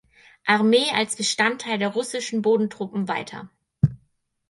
Armee als Bestandteil der russischen Bodentruppen weiter.